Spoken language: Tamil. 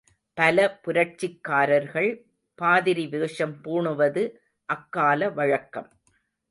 பல புரட்சிக்கார்கள் பாதிரிவேஷம் பூணுவது அக்கால வழக்கம்.